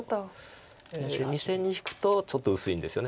２線に引くとちょっと薄いんですよね。